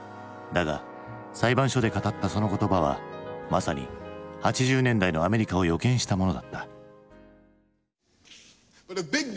だが裁判所で語ったその言葉はまさに８０年代のアメリカを予見したものだった。